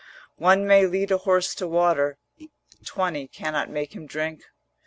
One may lead a horse to water, Twenty cannot make him drink.